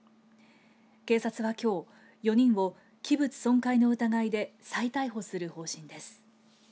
警察は、きょう４人を器物損壊の疑いで再逮捕する方針です。